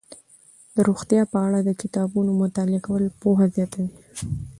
د روغتیا په اړه د کتابونو مطالعه کول پوهه زیاتوي.